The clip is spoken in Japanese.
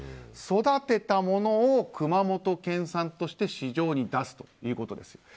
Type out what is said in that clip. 育てたものを熊本県産として市場に出すということです。